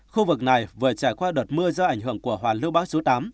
khu vực này vừa trải qua đợt mưa do ảnh hưởng của hoàn lưu bão số tám